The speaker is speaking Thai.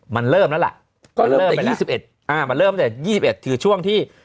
มันเริ่มแล้วล่ะมันเริ่มแต่๒๑คือช่วงที่